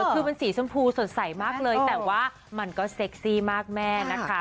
คือมันสีชมพูสดใสมากเลยแต่ว่ามันก็เซ็กซี่มากแม่นะคะ